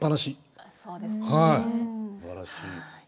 はいすばらしい。